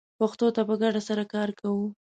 پښتو ته په ګډه سره کار کوو